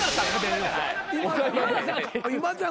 今ちゃん